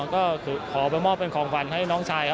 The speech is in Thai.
ก็ขอไปมอบเป็นของขวัญให้น้องชายครับ